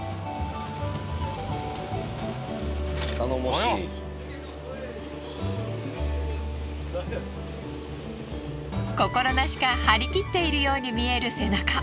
そして心なしか張り切っているように見える背中。